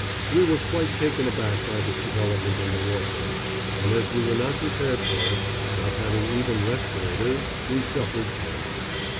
We were quite taken aback by this development in the warfare, and as we were not prepared for it, not having even respirators, we suffered terribly.